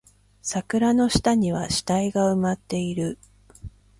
桜の下には死体が埋まっている